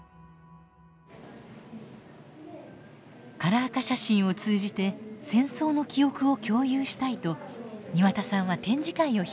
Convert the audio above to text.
カラー化写真を通じて戦争の記憶を共有したいと庭田さんは展示会を開きました。